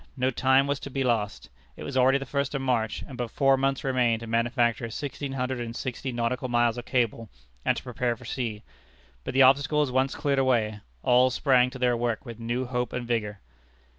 No time was to be lost. It was already the first of March, and but four months remained to manufacture sixteen hundred and sixty nautical miles of cable, and to prepare for sea. But the obstacles once cleared away, all sprang to their work with new hope and vigor.